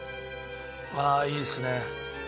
ああいいですね。